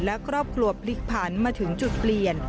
และครอบครัวพลิกผันมาถึงจุดเปลี่ยน